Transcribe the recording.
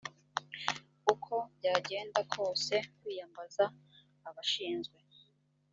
uko byagenda kose kwiyambaza abashinzwe